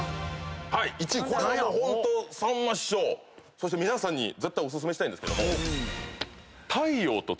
これはホントさんま師匠そして皆さんに絶対お薦めしたいんですけども。